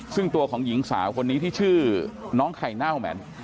ซึ่งตัวของหญิงสาวคนนี้ที่ชื่อน้องไข่เน่าแหม